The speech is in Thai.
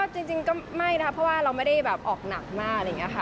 จริงก็ไม่นะครับเพราะว่าเราไม่ได้ออกหนักมาก